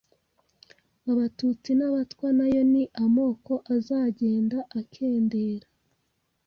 Abatutsi n’Abatwa nayo ni amoko azagenda akendera